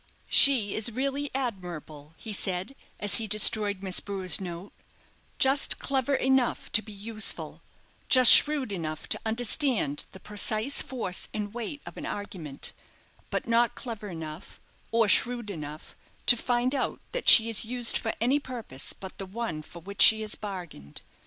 "She is really admirable," he said, as he destroyed Miss Brewer's note; "just clever enough to be useful, just shrewd enough to understand the precise force and weight of an argument, but not clever enough, or shrewd enough, to find out that she is used for any purpose but the one for which she has bargained."